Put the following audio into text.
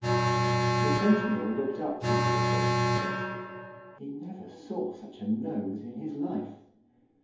_ The centinel looked up into the stranger's face——he never saw such a Nose in his life!